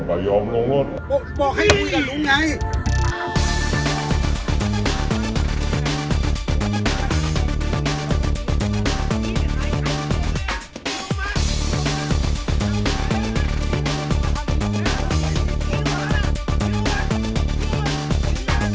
มาล่ะขึ้นลูกมันขึ้นลูกมัน